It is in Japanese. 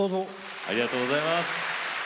ありがとうございます。